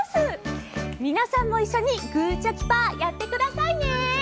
皆さんも一緒にグーチョキパー、やってくださいね。